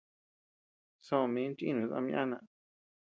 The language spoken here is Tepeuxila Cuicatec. Soʼö min chìnus ama yana.